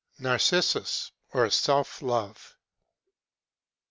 —NARCISSUS, OR SELF LOVE.